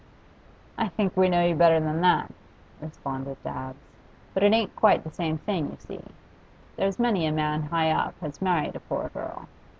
'I think we know you better than that,' responded Dabbs. 'But it ain't quite the same thing, you see. There's many a man high up has married a poor girl.